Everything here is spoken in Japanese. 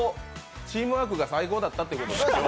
チームワークが最高だったということで。